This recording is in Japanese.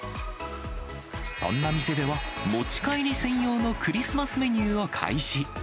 そんな店では、持ち帰り専用のクリスマスメニューを開始。